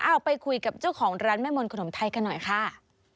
เอาไปคุยกับเจ้าของร้านแม่มนขนมไทยกันหน่อยค่ะ